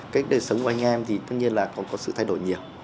cái đời sống của anh em thì tất nhiên là còn có sự thay đổi nhiều